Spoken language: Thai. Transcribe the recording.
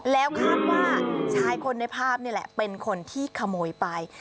แล้วคาดว่าชายคนในภาพนี่แหละเป็นคนที่ขโมยไป